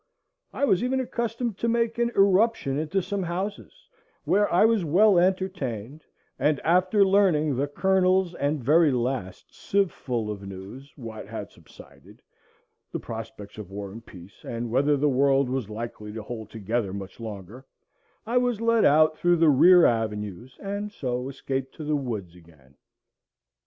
I was even accustomed to make an irruption into some houses, where I was well entertained, and after learning the kernels and very last sieve ful of news, what had subsided, the prospects of war and peace, and whether the world was likely to hold together much longer, I was let out through the rear avenues, and so escaped to the woods again.